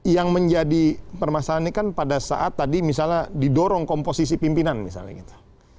yang menjadi permasalahan ini kan pada saat tadi misalnya didorong komposisi pimpinan misalnya gitu